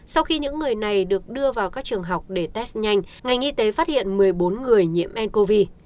sau khi những người này được đưa vào các trường học để test nhanh ngành y tế phát hiện một mươi bốn người nhiễm ncov